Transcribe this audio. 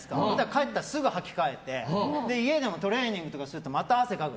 帰ったらすぐに、はき替えて家でもトレーニングとかするとまた汗かく。